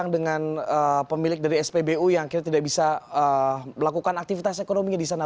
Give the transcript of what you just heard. mungkin anda berkesempatan berbincang dengan pemilik dari spbu yang tidak bisa melakukan aktivitas ekonomi di sana